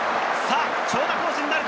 長打コースになるか！